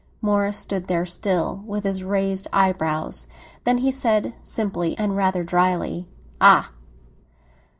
Morris stood there still, with his raised eyebrows; then he said simply and rather dryly—"Ah!"